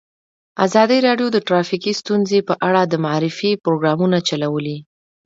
ازادي راډیو د ټرافیکي ستونزې په اړه د معارفې پروګرامونه چلولي.